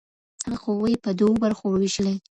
هغه قوي په دوو برخو وویشلې.